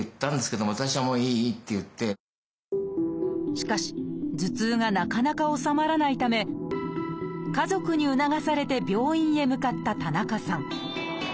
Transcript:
しかし頭痛がなかなか治まらないため家族に促されて病院へ向かった田中さん。